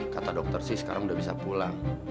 kata dokter sih sekarang udah bisa pulang